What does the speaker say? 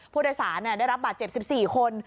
ผู้โดยสารได้รับบาดเจ็บ๑๔คน